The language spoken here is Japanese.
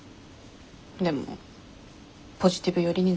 でもポジティブ寄りになりたい。